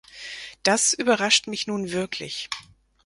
Das überrascht mich nun wirklich.